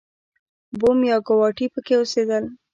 بوم یا ګواټي پکې اوسېدل.